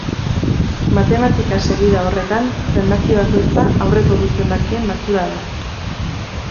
Matematika-segida horretan, zenbaki bakoitza aurreko bi zenbakien batura da.